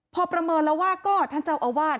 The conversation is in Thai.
พอประเมินแล้วว่าก็ท่านเจ้าอาวาส